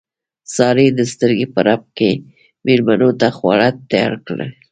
سارې د سترګو په رپ کې مېلمنو ته خواړه تیار کړل.